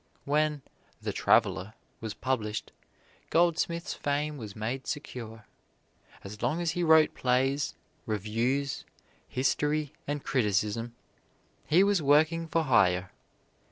When "The Traveler" was published Goldsmith's fame was made secure. As long as he wrote plays, reviews, history and criticism he was working for hire.